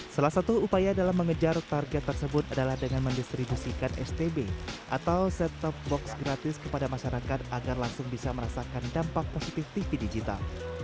salah satu upaya dalam mengejar target tersebut adalah dengan mendistribusikan stb atau set top box gratis kepada masyarakat agar langsung bisa merasakan dampak positif tv digital